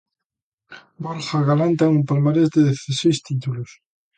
Borja Golán ten un palmarés de dezaseis títulos.